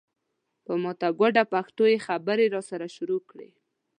په ماته ګوډه پښتو یې خبرې راسره شروع کړې.